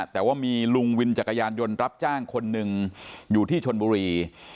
แต่ว่ามีลุงวินจักรยานยนต์รับจ้างคนหนึ่งอยู่ที่ชนบุรี